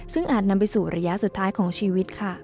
ซึ่งอาจนำไปสู่ระยะสุดท้ายของชีวิตค่ะ